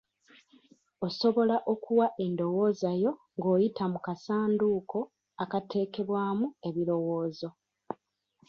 Osobola okuwa endowooza yo ng'oyita mu kasanduuko akatekebwamu ebirowoozo.